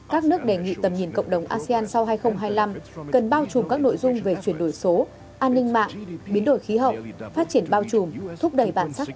các nước đề nghị tầm nhìn cộng đồng asean sau hai nghìn hai mươi năm cần bao trùm các nội dung về chuyển đổi số an ninh mạng biến đổi khí hậu phát triển bao trùm thúc đẩy bản sắc asean